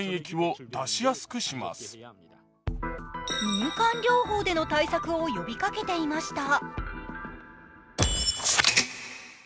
民間療法での対策を呼びかけていました。